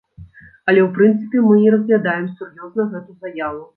Але ў прынцыпе мы не разглядаем сур'ёзна гэту заяву.